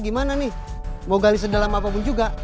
gimana nih mau gali sedalam apapun juga